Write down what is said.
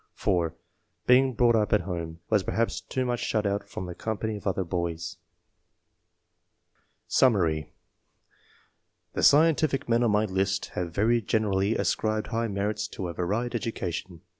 (4) "Being brought up at home; was per haps too much shut out from the company of other boys." IV.] EDUCATION. 253 SUMMARY. The scientific men on my list have very generally ascribed high merits to a varied edu cation.